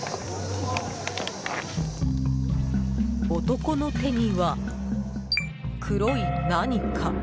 男の手には、黒い何か。